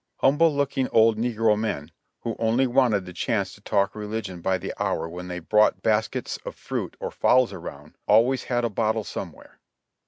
Humble looking old negro men, who only wanted the chance to talk religion by the hour when they brought bas kets of fruit or fowls around, alwavs had a bottle somewhere.